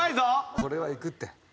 これはいくって。